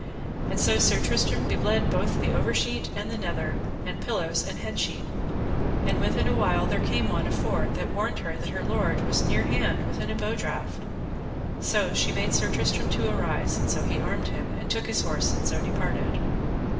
And so Sir Tristram be bled both the over sheet and the nether, and pillows, and head sheet. And within a while there came one afore, that warned her that her lord was near hand within a bow draught. So she made Sir Tristram to arise, and so he armed him, and took his horse, and so departed.